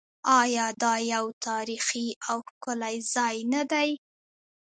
آیا دا یو تاریخي او ښکلی ځای نه دی؟